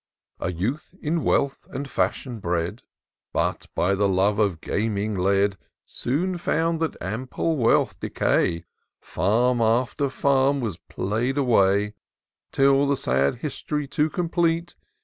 A youth, in wealth and fashion bred, But by the love of gaming led, Soon found that ample wealth decay ; Farm after fsmn was play'd away, Till, the sad hist'ry to complete.